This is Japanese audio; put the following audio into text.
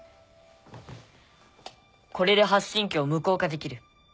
これで発信器を無効化できる。